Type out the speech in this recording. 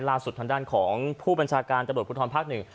ล่าสุดทางด้านของผู้บัญชาการจบดพุทธรรมภาคหนึ่ง